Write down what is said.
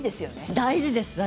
大事です。